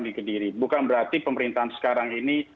di kediri bukan berarti pemerintahan sekarang ini